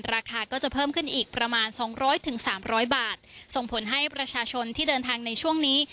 ราคาก็จะเพิ่มขึ้นอีกประมาณสองร้อยถึงสามร้อยบาทส่งผลให้ประชาชนที่เดินทางในช่วงนี้